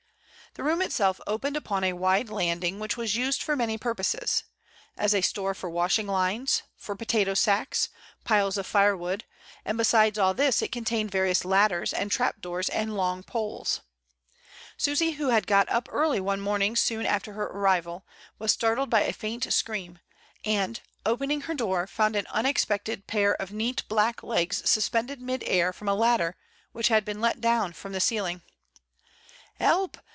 The room itself THE ATEX.IEIL 75 opened upon a wide landing, which was used for many purposes, as a store for washing lines, for potato sacks, piles of firewood, and besides all this it contained various ladders and trap doors and long poles. Susy, who had got up early one morn ing soon after her arrival, was startled by a faint scream, and, opening her door, found an unexpected pair of neat black legs suspended mid air from a ladder which had been let down from the ceiling. "'Elp!